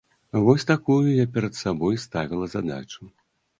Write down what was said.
Вось такую я перад сабой ставіла задачу.